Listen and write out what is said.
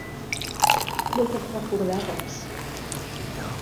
No puc recordar res.